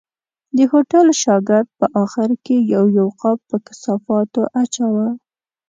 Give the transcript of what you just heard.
د هوټل شاګرد په آخر کې یو یو قاب په کثافاتو اچاوه.